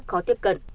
khó tiếp cận